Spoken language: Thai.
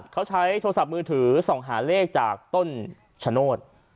เขาใช้โทรศัพท์มือถือส่องหาเลขจากต้นชะโนธ